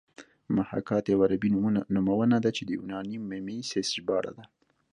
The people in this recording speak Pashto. محاکات یوه عربي نومونه ده چې د یوناني میمیسیس ژباړه ده